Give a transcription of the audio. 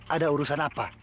ada urusan apa